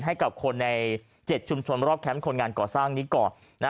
ให้กับคนใน๗ชุมชนรอบแคมป์คนงานก่อสร้างนี้ก่อน